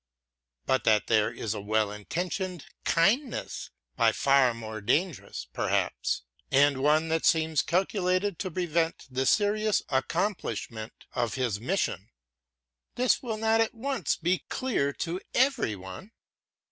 But that there is a well intentioned kindness by far more dangerous, perhaps, and one that seems calculated to prevent the serious accomplishment of his mission, this will not at once be clear to every one.